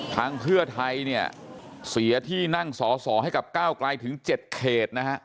ทางเพื่อไทยเนี่ยเสียที่นั่งสอสอให้กับก้าวไกลถึง๗เขตนะฮะ